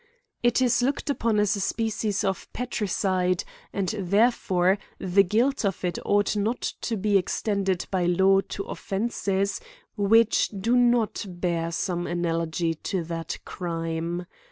It is looked upon as a spe cies of parricide ; and, therefore, the guilt of it ought not to be extended by law to offences which do not bear some analogy to that crime.